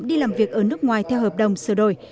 đi làm việc ở nước ngoài theo hợp đồng sửa đổi